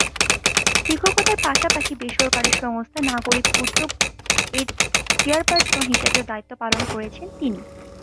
শিক্ষকতার পাশাপাশি বেসরকারি সংস্থা ‘নাগরিক উদ্যোগ’ এর চেয়ারপারসন হিসাবেও দায়িত্ব পালন করছেন তিনি।